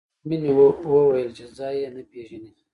مینې وویل چې ځای یې نه پېژني